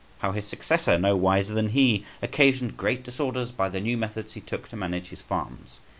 How his successor, no wiser than he, occasioned great disorders by the new methods he took to manage his farms.